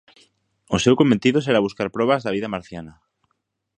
O seu cometido será buscar probas de vida marciana.